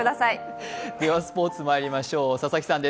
スポーツにまいりましょう。